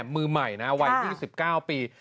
มือใหม่นะวัย๒๙ปี